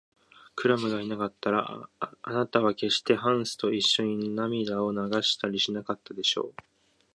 クラムがいなかったら、あなたはけっしてハンスといっしょに涙を流したりしなかったでしょう。